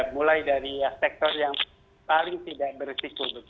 mulai dari sektor yang paling tidak beresiko